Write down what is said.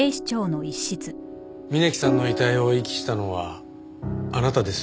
峯木さんの遺体を遺棄したのはあなたですよね？